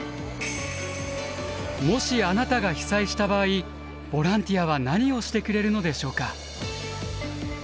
もしあなたが被災した場合ボランティアは何をしてくれるのでしょうか。